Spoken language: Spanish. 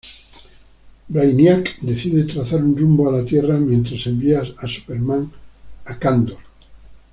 Brainiac decide trazar un rumbo a la Tierra mientras envía a Superman a Kandor.